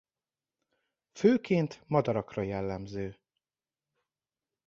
Főként madarakra jellemző.